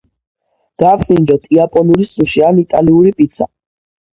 გავსინჯოთ იაპონური სუში ან იტალიური პიცა